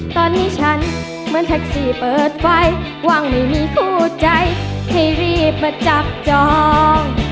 ตอนนี้ฉันเหมือนแท็กซี่เปิดไฟว่างไม่มีคู่ใจให้รีบมาจับจอง